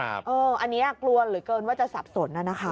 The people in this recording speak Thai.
อันนี้กลัวเหลือเกินว่าจะสับสนนะคะ